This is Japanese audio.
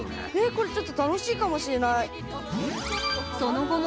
これちょっと楽しいかもしれない。